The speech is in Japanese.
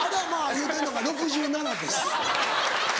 言うてんのが６７です。